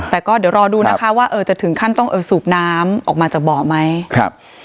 แต่ก็เดี๋ยวรอดูนะคะว่าเออจะถึงขั้นต้องเออสูบน้ำออกมาจากบ่อไหมครับ